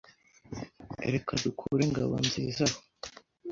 Reka dukure Ngabonziza aho.